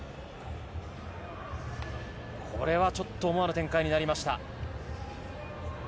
これはちょっと思わぬ展開になりました。